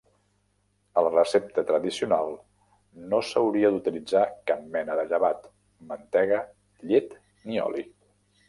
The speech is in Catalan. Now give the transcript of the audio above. A la recepta tradicional no s'hauria d'utilitzar cap mena de llevat, mantega, llet ni oli.